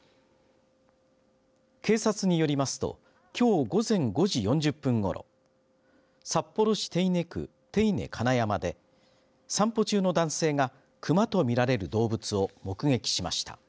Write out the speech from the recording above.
警察によりますときょう午前５時４０分ごろ札幌市手稲区手稲金山で散歩中の男性がクマと見られる動物を目撃しました。